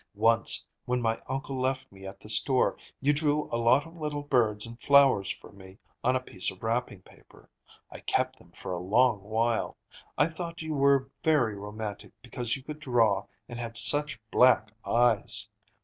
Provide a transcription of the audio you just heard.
Once, when my uncle left me at the store, you drew a lot of little birds and flowers for me on a piece of wrapping paper. I kept them for a long while. I thought you were very romantic because you could draw and had such black eyes."